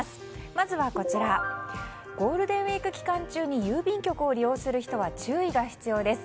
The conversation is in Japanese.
まずはゴールデンウィーク期間中に郵便局を利用する人は注意が必要です。